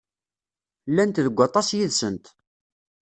Llant deg aṭas yid-sent.